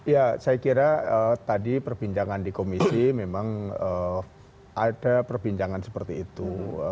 ya saya kira tadi perbincangan di komisi memang ada perbincangan seperti itu